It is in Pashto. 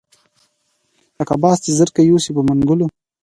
لکه باز چې زرکه یوسي په منګلو